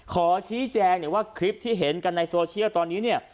ขอชี้แจงหน่อยว่าคลิปที่เห็นกันในโซเชียลตอนนี้เนี่ย